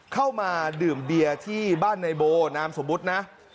เข้ามาดื่มเบียร์ที่บ้านในโบนามสมมุตินะ